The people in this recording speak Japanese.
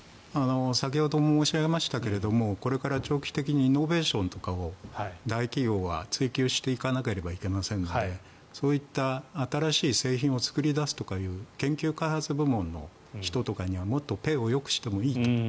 先ほども申し上げましたがこれから長期的にイノベーションとかを大企業は追求していかなければいけませんのでそういった新しい製品を作り出すという研究開発部門の人とかにはもっとペイをよくしてもいいのではないかと。